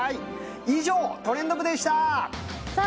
以上トレンド部でしたさあ